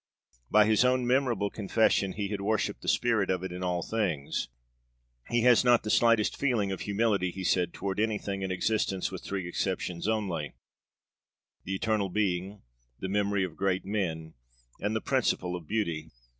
By his own memorable confession he had worshiped the spirit of it in all things; he has not the slightest feeling of humility, he says, toward anything in existence with three exceptions only: The Eternal Being, the Memory of Great Men, and the Principle of Beauty.